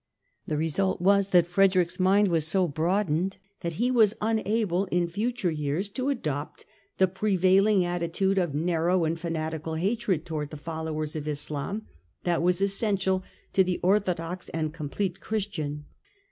The result was that Frede rick's mind was so broadened that he was unable, in future years, to adopt the prevailing attitude of narrow and fanatical hatred towards the followers of Islam that was essential in the orthodox and complete Christian.